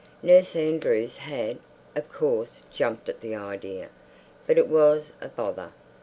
Nurse Andrews had, of course, jumped at the idea. But it was a bother.